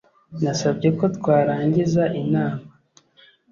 Nasabye ko twarangiza inama.